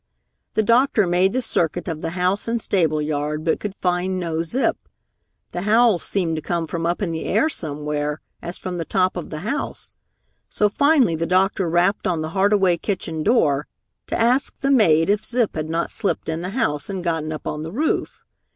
The doctor made the circuit of the house and stable yard but could find no Zip. The howls seemed to come from up in the air somewhere as from the top of the house, so finally the doctor rapped on the Hardway kitchen door to ask the maid if Zip had not slipped in the house and gotten up on the roof.